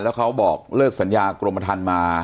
แล้วเขาบอกเลิกสัญญากรมธรรมมา